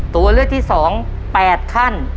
ตัวเลือกที่๒๘ขั้น